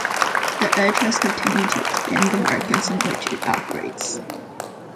The Edge has continued to expand the markets in which it operates.